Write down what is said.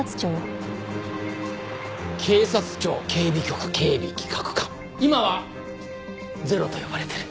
警察庁警備局警備企画課今はゼロと呼ばれてる。